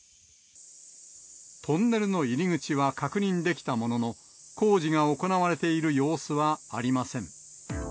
トンネルの入り口は確認できたものの、工事が行われている様子はありません。